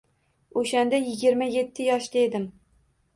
O’shanda yigirma yetti yoshda edim.